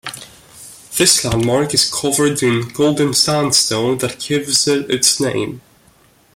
This landmark is covered in golden sandstone that gives it its name.